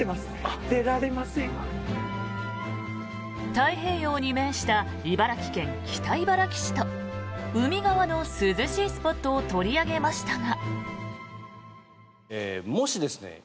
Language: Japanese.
太平洋に面した茨城県北茨城市と海側の涼しいスポットを取り上げましたが。